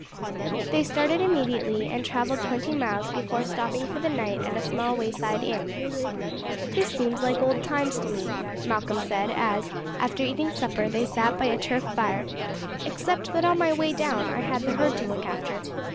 They started immediately, and travelled twenty miles before stopping for the night at a small wayside inn. "This seems like old times to me," Malcolm said as, after eating supper, they sat by a turf fire, "except that on my way down I had the herd to look after.